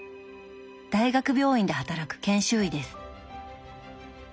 大学病院で働く研修医です。